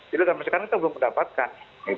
jadi sampai sekarang kita belum mendapatkan